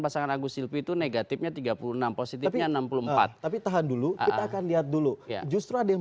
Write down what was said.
pasangan agus silvi itu negatifnya tiga puluh enam positifnya enam puluh empat tapi tahan dulu kita akan lihat dulu justru ada yang